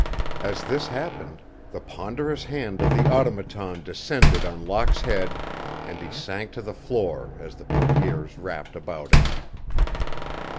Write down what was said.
As this happened, the ponderous hand of the Automaton descended on Locke's head and he sank to the floor as the portières wrapped about him.